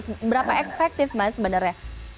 seberapa efektif mas sebenarnya